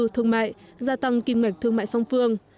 thương mại gia tăng kinh mệnh thương mại song phương